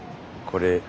これ。